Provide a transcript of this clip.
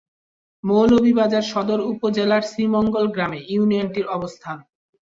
মৌলভীবাজার সদর উপজেলার শ্রীমঙ্গল গ্রামে ইউনিয়নটির অবস্থান।